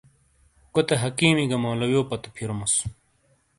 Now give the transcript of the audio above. کوتے حَکیمی گہ مولویو پَتو پھِیروموس۔